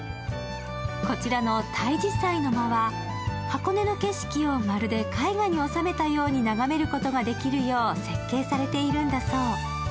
こちらの対字斎の間は箱根の景色をまるで絵画におさめたように眺めることができるよう設計されているんだそう。